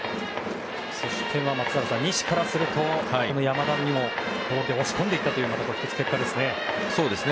そして松坂さん西からすると山田にも押し込んでいったというのは１つの結果ですね。